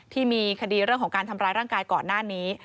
ที่มีคดีเรื่องของการทำร้ายร่างกายก่อนหน้านี้